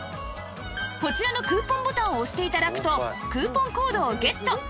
こちらのクーポンボタンを押して頂くとクーポンコードをゲット